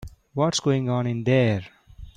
What's going on in there?